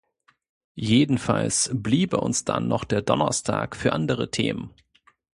Jedenfalls bliebe uns dann noch der Donnerstag für andere Themen.